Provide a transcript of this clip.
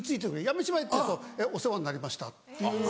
「辞めちまえ」って言うと「お世話になりました」っていう。